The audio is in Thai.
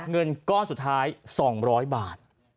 เงินก้อนสุดท้าย๒๐๐บาท